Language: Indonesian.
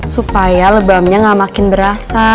supaya lebamnya gak makin berasa